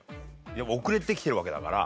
遅れてきてるわけだから。